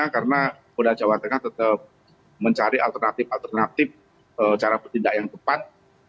karena polda jawa tengah mencari alternatif alternatif cara bertindak yang tepat